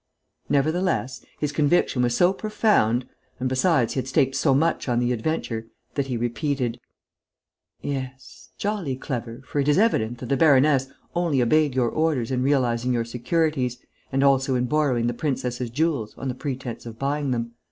Nevertheless, his conviction was so profound and, besides, he had staked so much on the adventure that he repeated: "Yes, jolly clever, for it is evident that the baroness only obeyed your orders in realizing your securities and also in borrowing the princess's jewels on the pretence of buying them.